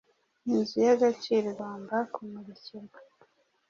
Inzu y'agaciro igomba kumurikirwa,